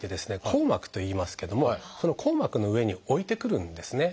「硬膜」といいますけどもその硬膜の上に置いてくるんですね。